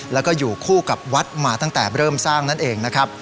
แล้วก็อยู่คู่กับวัดมาตั้งแต่เริ่มสร้างนั่นเองนะครับ